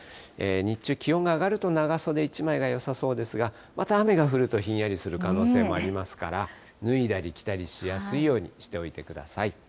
日中、気温が上がると長袖１枚がよさそうですが、また雨が降るとひんやりする可能性もありますから、脱いだり、着たりしやすいようにしておいてください。